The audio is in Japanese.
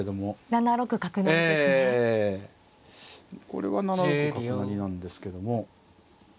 これは７六角成なんですけども。